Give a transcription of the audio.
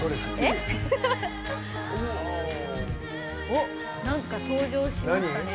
おっなんか登場しましたね。